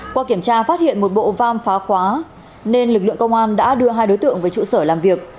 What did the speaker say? qua kiểm tra phát hiện một bộ vam phá khóa nên lực lượng công an đã đưa hai đối tượng về trụ sở làm việc